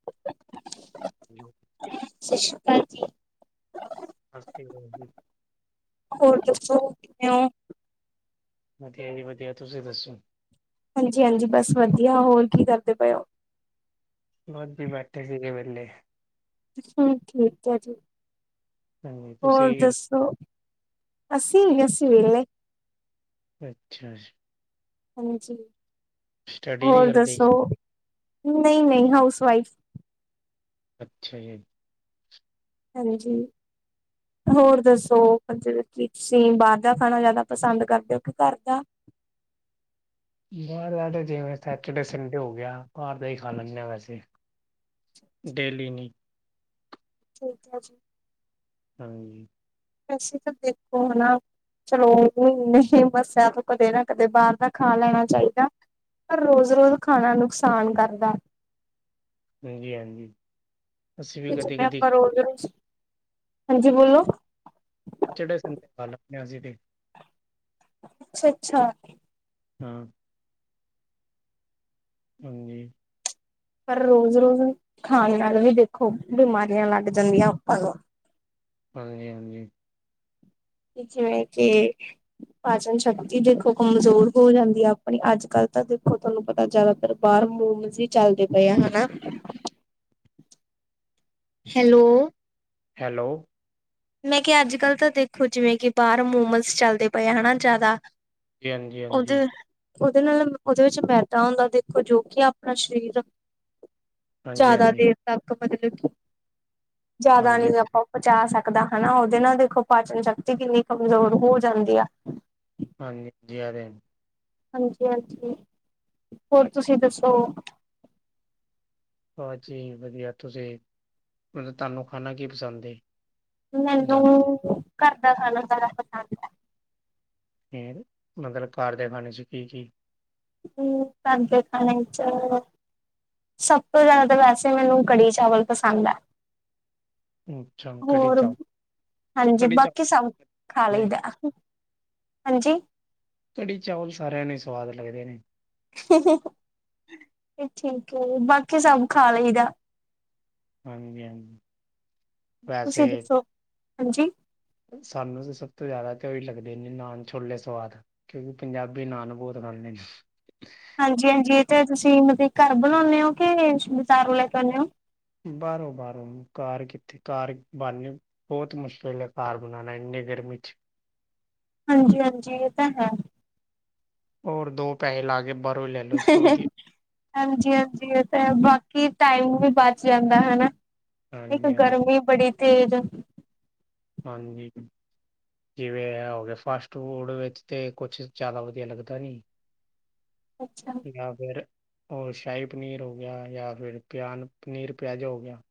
[inaudible] ਹ [unintelligible] ਸਤਿ ਸ਼੍ਰੀ ਅਕਾਲ ਜੀ। ਸਭ ਠੀਕ ਠਾਕ ਜੀ। ਹੋਰ ਦੱਸੋ ਕਿਵੇਂ ਹੋ? ਵਧੀਆ ਜੀ-ਵਧੀਆ ਤੁਸੀਂ ਦੱਸੋ? ਹਾਂਜੀ-ਹਾਂਜੀ ਬਸ ਵਧੀਆ, ਹੋਰ ਕੀ ਕਰਦੇ ਪਏ ਹੋ? ਬਸ ਜੀ ਬੈਠੇ ਸੀਗੇ ਵੇਲੇ। ਹੂੰ ਠੀਕ ਹੈ ਜੀ ਹਾਂਜੀ ਤੁਸੀਂ ਹੋਰ ਕੀ ਕਰਦੇ? ਦੱਸੋ? ਹਸੀ-ਹਸੀ ਵੇਲੇੇ। ਅੱਛਾ ਜੀ। ਹਾਂਜੀ, ਸਟੱਡੀ ਨਹੀਂ ਹੋਰ ਕਰਦੇ, ਦੱਸੋ ਨਹੀਂ-ਨਹੀਂ ਹਾਊਸ ਵਾਈਫ। ਅੱਛਾ ਜੀ। ਹਾਂਜੀ। ਹੋਰ ਦੱਸੋ ਜਿ ਕਿ ਤੁਸੀਂ ਬਾਹਰ ਦਾ ਖਾਣਾ ਜ਼ਿਆਦਾ ਪਸੰਦ ਕਰਦੇ ਹੋ ਕਿ ਘਰ ਦਾ? ਬਾਹਰ ਜਿਵੇਂ ਸੈਟਰਡੇ, ਸੰਡੇ ਹੋ ਗਿਆ ਬਾਹਰ ਦਾ ਹੀ ਖਾ ਲੈਂਦੇ ਹਾਂ ਵੈਸੇ। ਡੇਲੀ ਨੀ। ਠੀਕ ਹਾ ਜੀ। ਹਾਂਜੀ। ਵੈਸੇ ਤਾਂ ਦੇਖੋ ਹੈਨਾ। ਚਲੋ ਦਸਿਆ ਤੂੰ ਕਦੇ ਨਾ ਕਦੇ ਬਾਹਰ ਦਾ ਖਾ ਲੈਣਾ ਚਾਹੀਦਾ। ਪਰ ਰੋਜ਼-ਰੋਜ਼ ਖਾਣਾ ਨੁਕਸਾਨ ਕਰਦਾ। ਹਾਂਜੀ-ਹਾਂਜੀ। ਕੁੱਝ ਆਪਾਂ ਰੋਢ ਦੇ ਵਿਚ ਹਾਂਜੀ ਬੋਲੋ। ਕਿਹੜੇ ਥਾ ਤੇ ਖਾ ਲੈਦੇ ਹਾਂ ਅਸੀਂ ਤੇ। ਅੱਛਾ-ਅੱਛਾ। ਹਾਂ। ਹਾਂਜੀ। ਪਰ ਰੋਜ਼-ਰੋਜ਼ ਖਾਣ ਨਾਲ ਵੀ ਦੇਖੋ ਬਿਮਾਰੀਆਂ ਲੱਗ ਜਾਂਦੀਆਂ ਆਪਾਂ ਨੂੰ। ਹਾਂਜੀ ਹਾਂਜੀ। ਜਿਵੇਂ ਕਿ। ਪਾਚਨ ਸ਼ਕਤੀ ਦੇਖੋ ਕਮਜ਼ੋਰ ਹੋ ਜਾਂਦੀ ਹੈ ਆਪਣੀ ਅੱਜ ਕੱਲ੍ਹ ਤਾਂ ਦੇਖੋ ਤੁਹਾਨੂੰ ਪਤਾ ਜ਼ਿਆਦਾਤਰ। ਬਾਹਰ ਮੋਮਜ਼ ਵੀ ਚੱਲਦੇ ਪਏ ਆ ਹਨਾ। ਹੈਲੋ। ਹੈਲੋ। ਮੈਂ ਕਿਹਾ ਅੱਜ ਕੱਲ੍ਹ ਤਾਂ ਦੇਖੋ ਜਿਵੇਂ ਕਿ ਬਾਹਰ ਮੋਮਸ ਚੱਲਦੇ ਪਏ ਹਨਾ ਜ਼ਿਆਦਾ। ਜੀ ਹਾਂਜੀ ਹਾਂਜੀ, ਉਹਦੇੇ। ਉਹਦੇ ਨਾਲ ਉਹਦੇ ਵਿੱਚ ਮੈਦਾ ਹੁੰਦਾ ਦੇਖੋ ਜੋ ਕਿ ਆਪਣਾ ਸਰੀਰ ਹਾਂਜੀ ਜ਼ਿਆਦਾ ਹਾਂਜੀ। ਦੇਰ ਤੱਕ ਮਤਲਬ ਕਿ ਜਿਆਦਾ ਹਾਂਜੀ ਨਹੀਂ ਆਪਾਂ ਪਚਾ ਸਕਦੇ। ਸਕਦਾ ਹਨਾ ਉਹਦੇ ਨਾਲ ਦੇਖੋ ਪਾਚਨ ਸ਼ਕਤੀ ਕਿੰਨੀ ਕਮਜ਼ੋਰ ਹੋ ਜਾਂਦੀ ਆ। ਹਾਂਜੀ ਜੀ ਅਦੇ। ਹਾਂਜੀ ਹਾਂਜੀ ਹੋਰ ਤੁਸੀਂ ਦੱਸੋ? ਹਾਂਜੀੀ ਵਧੀਆ ਤੁਸੀਂ ਮਤਲਬ ਤੁਹਾਨੂੰ ਖਾਣਾ ਕੀ ਪਸੰਦ ਏ? ਮੈਨੂੰ ਘਰਦਾ ਖਾਣਾ ਜਿਆਦਾ ਪਸੰਦ ਹੈ। ਮਤਲਬ ਘਰ ਦੇ ਖਾਣੇ ਚ ਕੀ ਕੀ? ਹਮ ਘਰ ਦੇ ਖਾਣੇ ਚ। ਸਭ ਤੋਂ ਜ਼ਿਆਦਾ ਤਾਂ ਵੈਸੇ ਮੈਨੂੰ ਕੜੀ ਚਾਵਲ ਪਸੰਦ ਹੈ। ਅੱਛਾ ਕੜੀ ਹੋਰ ਚਾਵਲ ਹਾਂਜੀ ਕੜੀ ਬਾਕੀ ਸਭ ਚਾਵਲ ਖਾ ਨਹੀਂ ਲਈਦਾ। ਹਾਂਜੀ। ਕੜੀ ਚਾਵਲ ਸਾਰਿਆਂ ਨੂੰ ਸਵਾਦ ਲੱਗਦੇ ਨੇ। ਇਹ ਠੀਕ ਹੈ ਬਾਕੀ ਸਭ ਖਾ ਲਈਦਾ। ਹਾਂਜੀ ਹਾਂਜੀ। ਵੈਸੇ ਤੁਸੀਂ ਦੱਸੋ ਹਾਂਜੀ। ਸਾਨੂੰ ਤਾਂ ਸਭ ਤੋਂ ਜ਼ਿਆਦਾ ਤੇਓ ਹੀ ਲੱਗਦੇ ਨੇ ਨਾਨ ਛੋਲੇ ਸਵਾਦ। ਕਿਉਂਕਿ ਪੰਜਾਬੀ ਨਾਨ ਬਹੁਤ ਖਾਂਦੇ ਨੇ। ਹਾਂਜੀ ਹਾਂਜੀ ਇਹ ਤੇ ਤੁਸੀਂ ਮਤਲਬ ਘਰ ਬਣਾਉਂਨੇ ਹੋ ਕੇ ਬਜਾਰੋਂ ਲੈ ਕੇ ਆਉਣੇ ਹੋ? ਬਾਹਰੋਂ ਬਾਹਰੋ ਘਰ ਕਿੱਥੇ ਘਰ ਬੰਨ ਨੇ। ਬਹੁਤ ਮੁਸ਼ਕਿਲ ਹੈ ਘਰ ਬਣਾਉਣਾ ਇੰਨੇ ਗਰਮੀ ਚ। ਹਾਂਜੀ ਹਾਂਜੀ ਇਹ ਤਾਂ ਹੈ। ਹੋਰ ਦੋ ਪੈਸੇ ਲਾ ਕੇ ਬਾਹਰੋਂ ਲੈ ਲੋ ਇਸ ਤੋਂ ਵਧੀਆ। ਹਾਂਜੀ ਹਾਂਜੀ ਇਹ ਤੇ ਬਾਕੀ ਟਾਈਮ ਵੀ ਬਚ ਜਾਂਦਾ ਹਨਾ। ਇੱਕ ਹਾਂਜੀ ਹਾਂਜੀ ਗਰਮੀ ਬੜੀ ਤੇਜ। ਹਾਂਜੀ। ਜਿਵੇਂ ਏ ਗਿਆ ਫਾਸਟ ਫੂਡ ਵਿੱਚ ਤੇ ਕੁਛ ਜ਼ਿਆਦਾ ਵਧੀਆ ਲੱਗਦਾ ਨੀ। ਅੱਛਾ। ਨਾ ਫਰ। ਉਹਰ ਸ਼ਾਹੀ ਪਨੀਰ ਹੋ ਗਿਆ ਯਾ ਫਿਰ ਪਿਆਨ ਪਨੀਰ ਪਿਆਜ਼ਾ ਹੋ ਗਿਆ।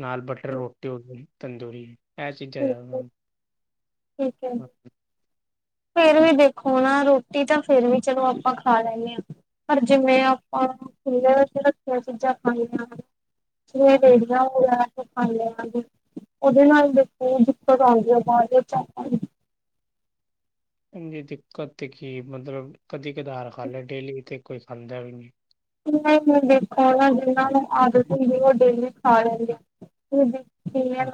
ਨਾਲ ਬਟਰ ਠੀਕ ਰੋਟੀ ਹੋਗੀ ਤੰਦੂਰੀ। ਇਹ ਚੀਜ਼ਾਂ ਜ਼ਿਆਦਾ ਠੀਕ ਹਨ। ਠੀਕ ਹੈ ਜੀ। ਫੇਰ ਵੀ ਦੇਖੋ ਨਾ ਰੋਟੀ ਤਾਂ ਫੇਰ ਵੀ ਚਲੋ ਆਪਾਂ ਖਾ ਲੈਂਦੇ ਹਾਂ। ਪਰ ਜਿਵੇਂ ਆਪਾਂ ਖੀਆਂ ਰੱਖੀਆਂ ਚੀਜ਼ਾਂ ਖਆਂ ਹਨ ਜੀਆਂੜੀਆਂ। ਹਾਂ- ਲੈ ਕੇ ਖਾ ਲਗੇ ਉਹਦੇ ਨਾਲ ਦੇਖ ਦਿੱਕਤ ਆਉਂਦੀ ਹੈ ਬਾਹਰ ਦੇਾਂ ਦੀ। ਹ ਦਿੱਕਤ ਤੇ ਕੀ ਮਤਲਬ ਕਦੀ ਕਧਾਰ ਖਾ ਲਿਆ ਡੇਲੀ ਤੇ ਕੋਈ ਖਾਂਦਾ ਵੀ ਨਹੀਂ। ਦੇਖੋ ਨਾ ਜਿਨਾਂ ਨੂੰ ਆਦਤ ਹੁੰਦੀ ਉਹ ਡੇਲੀ ਖਾ ਲੈਂਦੇ। ਡਜੀ ਖਾਣ। ਹਮ,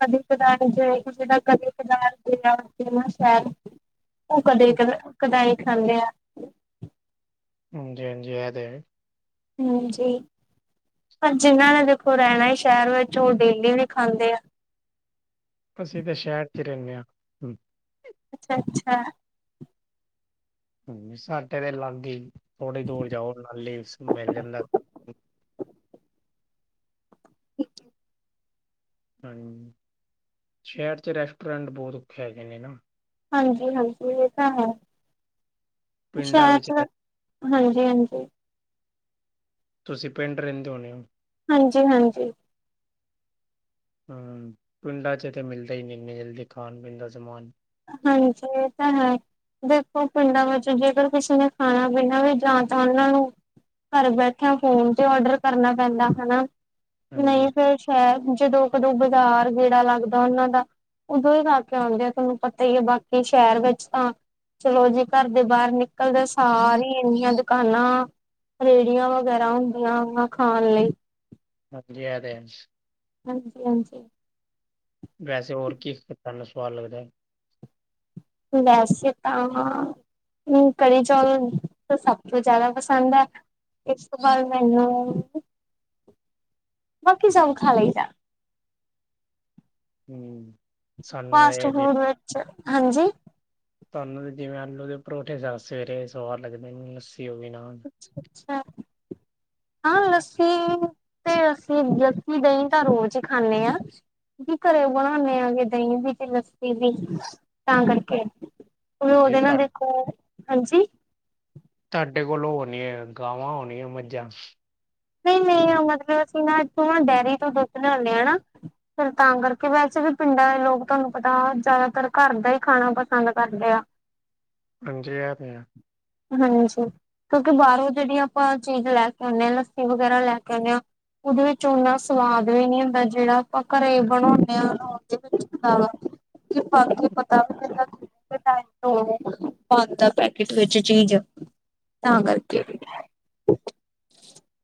ਕਦੇਦਾਰ ਕਦੇਦ ਸ਼। ਉਹ ਕਦੇ ਹਮ, ਕ ਕਦਾ ਹੀ ਖਾਂਦੇ ਆ। ਹਾਂਜੀ ਹਾਂਜੀ ਇਹ ਤੇ ਹੇ। ਹਾਂਜੀ ਪਰ ਜਿੰਨਾਂ ਨੇ ਦੇਖੋ ਰਹਿਣਾ ਸ਼ਹਿਰ ਵਿੱਚ ਉਹ ਡੇਲੀ ਵੀ ਖਾਂਦੇ ਆ। ਅਸੀਂ ਤੇ ਸ਼ਹਿਰ ਚ ਹੀ ਰਹਿੰਦੇ ਹਾਂ। ਹਮ, ਅੱਛਾ ਅੱਛਾ। ਸਾਡੇ ਦੇ ਲਾਗੇ ਹੀ ਥੋੜੀ ਦੂਰ ਜਾਓ ਨਾ ਲੇ ਮਿਲ ਜਾਂਦਾ। ਹਾਂ ਸ਼ਹਿਰ ਚ ਰੈਸਟੋਰੈਂਟ ਬਹੁਤ ਹੈਗੇ ਨੇ ਨਾ। ਹਾਂਜੀ ਹਾਂਜੀ ਇਹ ਤਾਂ ਹੈ ਪਿੰਡਾਂ ਸ਼ਹਿਰ ਵਿੱਚ ਚ ਨਾ। ਰਹਿ- ਹਾਂਜੀ ਹਾਂਜੀ। ਤੁਸੀਂ ਪਿੰਡ ਰਹਿੰਦੇ ਹੋਣੇ ਹੋ। ਹਾਂਜੀ ਹਾਂਜੀ। ਹਮ ਪਿੰਡਾਂ ਚ ਤਾਂ ਮਿਲਦਾ ਹੀ ਨ ਇਨੀ ਜਲਦੀ ਖਾਣ ਪੀਣ ਦਾ ਸਮਾਨ। ਹਾਂਜੀ ਇਹ ਤਾਂ ਹੈ। ਦੇਖੋ ਪਿੰਡਾਂ ਵਿੱਚ ਜੇਕਰ ਕਿਸੇ ਨੇ ਖਾਣਾ ਪੀਣਾ ਵੀ ਜਾਂ ਤਾਂ ਉਹਨਾਂ ਨੂੰ। ਘਰ ਬੈਠਿਆਂ ਫੋਨ ਤੇ ਔਡਰ ਕਰਨਾ ਪੈਂਦਾ ਹਨਾ ਹਾਂਜੀ। ਨਹੀਂ ਫੇਰ। ਹੈ ਜਦੋਂ ਕਦੋਂ ਬਾਜ਼ਾਰ ਗੇੜਾ ਲੱਗਦਾ ਉਹਨਾਂ ਦਾ ਉਦੋਂ ਹੀ ਲਾ ਕੇ ਆਉਂਦੇ ਆ ਤੁਹਨੂੰ ਪਤਾ। ਹੀ ਬਾਕੀ ਸ਼ਹਿਰ ਵਿੱਚ ਤਾਂ। ਚਲੋ ਜੀ ਘਰ ਦੇ ਬਾਹਰ ਨਿਕਲਦੇ ਸਾਰੀ ਇੰਨੀਆਂ ਦੁਕਾਨਾਂ। ਰੇੜੀਆਂ ਵਗੈਰਾ ਹੁੰਦੀਆਂ ਹਨ ਖਾਣ ਲਈ। [unintelligible] ਹਾਂਜੀ ਹਾਂਜੀ। ਵੈਸੇ ਹੋਰ ਕੀ ਸਾਨੂੰ ਤੁਆਨੁ ਸਵਾਦ ਲੱਗਦੈ। ਵੈਸੇ ਤਾਂ ਕੜੀ ਚੌਲ ਸਭ ਤੋਂ ਜਾਦਾ ਪਸੰਦ ਐ। ਇਸ ਤੋਂ ਬਾਦ ਮੈਨੂੰ ਬਾਕੀ ਸਭ ਖਾ ਲਈਦੈ। ਹੂੰ। ਸਾਨੂੰ ਫਾਸਟ ਇਹ ਜੇ ਫੂਡ ਵਿੱਚ ਹਾਂਜੀ। ਤਾਂਨੂੰ ਤੇ ਜਿਵੇਂ ਆਲੂ ਦੇ ਪਰੌਂਠੇ ਜਾਂ ਸਵੇਰੇ ਸਵਾਰ ਲੱਗਦੇ ਲੱਸੀ ਹੋਗੀ ਨਾ। ਅੱਛਾ ਅੱਛਾ। ਹਾਂ ਲੱਸੀ ਤੇ ਲੱਸੀ ਲੱਸੀ ਦਹੀਂ ਤਾਂ ਰੋਜ਼ ਹੀ ਖਾਂਦੇ ਹਾਂ। ਕੀ ਘਰੇ ਬਣਾਉਦੇ ਆਂਗੇ ਦਹੀਂ ਵੀ ਤੇ ਲੱਸੀ ਵੀ ਤਾਂ ਕਰਕੇ। ਹਾਂਜੀ ਉਹਦੇ ਨਾ ਤੁਹਾ ਦੇਖੋ ਹਾਂਜੀ। ਤੁਹਾਡੇ ਕੋਲ ਹੋਣੀ ਹੈ ਗਾਵਾਂ ਹੋਣੀਆਂ ਮੱਝਾਂ। ਨਹੀਂ ਨਹੀਂ ਮਤਲਬ ਅਸੀਂ ਨਾ ਇੱਥੋਂ ਡੈਅਰੀ ਤੋਂ ਦੁੱਧ ਲੈਓਣੇ ਹਾਂ ਨਾ। ਫਿਰ ਤਾਂ ਕਰਕੇ ਵੈਸੇ ਵੀ ਪਿੰਡਾਂ ਦੇ ਲੋਕ ਤੁਹਾਨੂੰ ਪਤਾ ਜ਼ਿਆਦਾਤਰ ਘਰ ਦਾ ਹੀ ਖਾਣਾ ਪਸੰਦ ਕਰਦੇ ਆ। ਹਾਂਜੀ ਐ ਤੇ ਹੈ। ਹਾਂਜੀ ਕਿਉਂਕਿ ਬਾਹਰੋਂ ਜਿਹੜੀ ਆਪਾਂ ਚੀਜ਼ ਲੈ ਕੇ ਆਉਂਦੇ ਹਾਂ ਲੱਸੀ ਵਗੈਰਾ ਲੈ ਕੇ ਆਉਂਦੇ ਹਾਂ। ਉਹਦੇ ਵਿੱਚ ਓਨਾ ਸਵਾਦ ਵੀ ਨੀ ਹੁੰਦਾ ਜਿਹੜਾ ਆਪਾਂ ਘਰੇ ਬਣਾਉਦੇ ਆਾਂ ਉਹਦੇ ਵਿੱਚ। ਪਾ ਪਤਾ ਦਾ ਪੈਕੇਟ ਚੀਜ਼ ਤਾਂ ਕਰਕੇ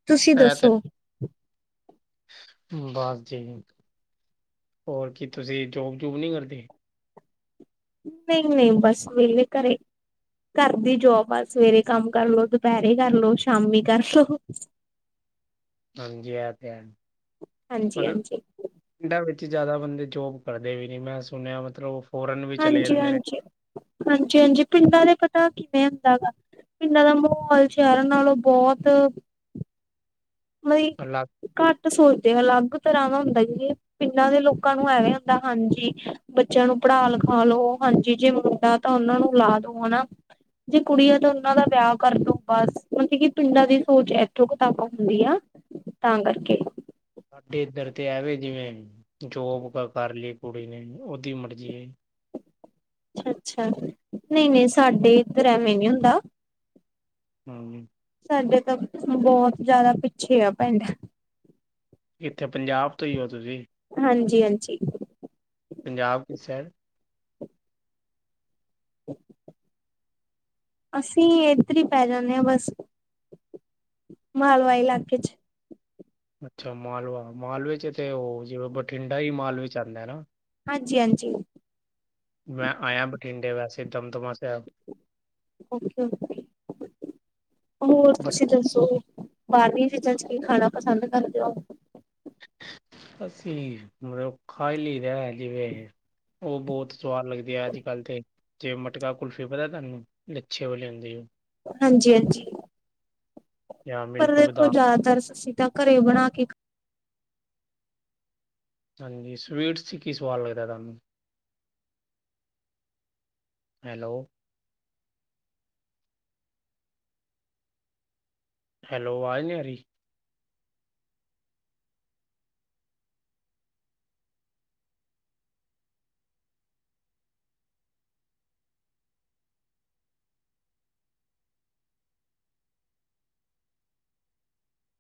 ਤੁਸੀਂ ਇਹ ਤੇ ਦੱਸੋ। ਬਸ ਜੀ ਹੋਰ ਕੀ ਤੁਸੀਂ ਜੋਬ ਜੂਬ ਨਹੀ ਕਰਦੇ। ਨਹੀਂ ਨਹੀਂ ਬਸ ਵੇਲੇ ਘਰੇ। ਘਰ ਦੀ ਜੋਬ ਆ ਸਵੇਰੇ ਕੰਮ ਕਰਲੋ ਦੁਪੈਰੇ ਕਰਲੋ ਸ਼ਾਮੀ ਕਰਲੋ। ਹੰਜੀ ਐ ਤੇ ਹੈ ਹਾਂਜੀ ਪਰ ਹਾਂਜੀ ਪਿੰਡਾਂ ਵਿੱਚ ਜਾਦਾ ਬੰਦੇ ਜੋਬ ਕਰਦੇ ਵੀ ਨੀ ਮੈਂ ਸੁਣਿਆ ਮਤਲਬ। ਫੋਰਨ ਵੀ ਚਲੇ ਹਾਂਜੀ ਜਾਂਦੇ ਨੇ। ਹਾਂਜੀ ਹਾਂਜੀ ਹਾਂਜੀ ਪਿੰਡਾਂ ਦੇ ਪਤਾ ਕਿਵੇਂ ਹੁੰਦਾ ਹੈ। ਪਿੰਡਾਂ ਦਾ ਮਾਹੌਲ ਸ਼ਹਿਰਾਂ ਨਾਲੋਂ ਬੋਤ ਵਈ। ਅਲਗ ਘੱਟ ਸੋਚਦੇ ਅਲੱਗ ਤਰ੍ਹਾਂ ਦਾ ਹੁੰਦਾ ਹੈ ਕਿਉਂਕਿ ਪਿੰਡਾਂ ਦੇ ਲੋਕਾਂ ਨੂੰ ਐਵੇਂ ਹੁੰਦਾ ਹਾਂਜੀ। ਬੱਚਿਆਂ ਨੂੰ ਪੜ੍ਹਾ ਲਿਖਾ ਲੋ ਹਾਂਜੀ ਜੇ ਮੁੰਡਾ ਤਾਂ ਓਨਾਂ ਨੂੰ ਲਾ ਦੋ ਹਨਾ। ਜੇ ਕੁੜੀ ਤਾਂ ਓਹਨਾ ਦਾ ਵਿਆਹ ਕਰਦੋ ਬਸ ਮਤਲਬ ਕੀ ਪਿੰਡਾਂ ਦੀ ਸੋਚ ਇੱਥੋਂ ਕਿਤਾਬਾਂ ਤਕ। ਹੁੰਦੀ ਆ ਤਾਂ ਕਰਕੇ। ਸਾਡੇ ਇੱਧਰ ਤੇ ਐਵੇ ਜਿਵੇਂ ਜੋਬ ਕਰ ਲਈ ਕੁੜੀ ਨੇ ਓਹਦੀ ਮਰਜ਼ੀ ਏ। ਅੱਛਾ-ਅੱਛਾ, ਨਈ-ਨਈ, ਸਾਡੇ ਇੱਧਰ ਐਵੇਂ ਨੀ ਹੁੰਦਾ। ਹਮ। ਸਾਡੇ ਤਾਂ ਬਹੁਤ ਜਿਆਦਾ ਪਿੱਛੇ ਆ ਪਿੰਡ। ਕਿਥੇ ਪੰਜਾਬ ਤੋਂ ਈ ਓ ਤੁਸੀਂ? ਹਾਂਜੀ-ਹਾਂਜੀ ਪੰਜਾਬ ਕਿਸ ਸਾਈਡ? [unintelligible] ਅਸੀਂ ਏਧਰ ਈ ਪੈ ਜਾਂਨੇ ਆ ਬਸ ਮਾਲਵਾ ਇਲਾਕੇ ਚ। ਅੱਛਾ ਮਾਲਵਾ ਮਾਲਵੇ ਚ ਤੇ ਉਹ ਜਿਵੇ ਬਠਿੰਡਾ ਈ ਮਾਲਵੇ ਚ ਆਂਦਾ ਹੈ ਨਾ। ਹਾਂਜੀ-ਹਾਂਜੀ। ਮੈਂ ਆਇਆ ਬਠਿੰਡੇ ਵੈਸੇ ਦਮਦਮਾ ਸਾਹਿਬ। ਹੋਰ ਬਟ ਤੁਸੀਂ ਦੱਸੋ? ਬਾਰਲੀਆਂ ਚੀਜ਼ਾਂ ਚ ਕੀ ਖਾਣਾ ਪਸੰਦ ਕਰਦੇ ਓ? ਅਸੀਂ ਮਤਲਬ ਖਾ ਈ ਲਈ ਦਾ ਜਿਵੇਂ ਓ ਬਹੁਤ। ਸਵਾਦ ਲੱਗਦੀ ਐ ਅੱਜ ਕੱਲ ਤੇ ਜਿਵੇਂ ਮਟਕਾ ਕੁਲਫੀ ਪਤਾ ਤੁਹਾਨੂੰ ਲੱਛੇ ਵਾਲੀ ਹੁੰਦੀ ਐ। ਹਾਂਜੀ-ਹਾਂਜੀ। ਜਾਂ ਪਰ ਮਿਲਕ ਦੇਖੋ ਬਦਾਮ ਜਿਆਦਾਤਰ ਅਸੀਂ ਤਾਂ ਘਰੇ ਬਣਾ ਕੇ ਖਾਨੇ ਆ। ਹਾਂਜੀ, ਸਵੀਟਸ 'ਚ ਕੀ ਸਵਾਦ ਲੱਗਦਾ ਤੁਹਾਨੂੰ? ਹੈਲੋ। ਹੈਲੋ ਆਵਾਜ਼ ਨਹੀ ਆ ਰਹੀ।